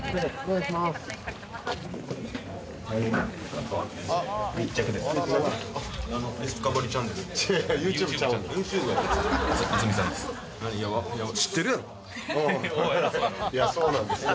いやそうなんですよ